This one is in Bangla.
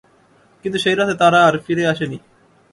কিন্তু সেইরাতে তারা আর ফিরে আসেনি।